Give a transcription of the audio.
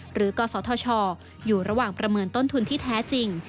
กศธชอยู่ระหว่างประเมินต้นทุนที่แท้จริง